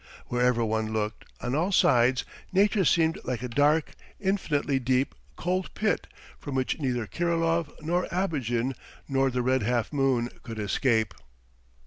Wherever one looked, on all sides, nature seemed like a dark, infinitely deep, cold pit from which neither Kirilov nor Abogin nor the red half moon could escape.